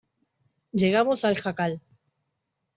llegamos al jacal.